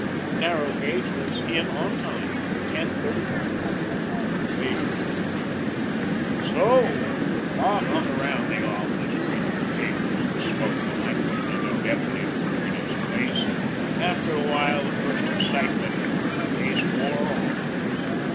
The narrow gauge was in on time 10.35. The major continued: "So Bob hung around the office, reading the papers and smoking. I put another deputy to work in his place, and after a while, the first excitement of the case wore off.